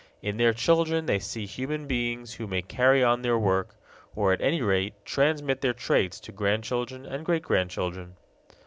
In their children they see human beings who may carry on their work, or at any rate transmit their traits to grandchildren and great grandchildren.